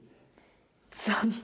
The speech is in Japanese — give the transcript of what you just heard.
残念。